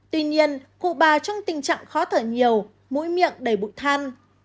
tuy nhiên cụ bà trong tình trạng khó thở nhiều mũi miệng đầy bụi than